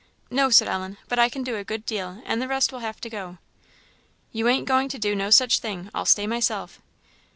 "No," said Ellen, "but I can do a good deal, and the rest will have to go." "You ain't going to do no such thing; I'll stay myself."